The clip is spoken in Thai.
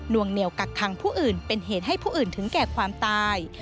วงเหนียวกักคังผู้อื่นเป็นเหตุให้ผู้อื่นถึงแก่ความตาย